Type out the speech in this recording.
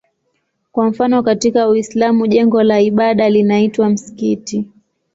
Kwa mfano katika Uislamu jengo la ibada linaitwa msikiti.